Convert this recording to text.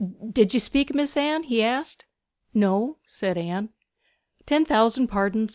'Did you speak, Mis'ess Anne?' he asked. 'No,' said Anne. 'Ten thousand pardons.